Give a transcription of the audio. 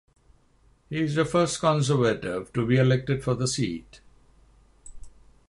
He is the first Conservative to be elected for the seat.